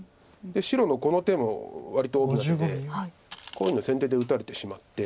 白のこの手も割と大きな手でこういうのを先手で打たれてしまって。